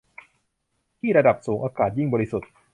ที่ ระดับสูงอากาศยิ่งบริสุทธิ์